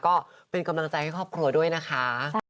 ก็เป็นกำลังใจให้ครอบครัวด้วยนะคะ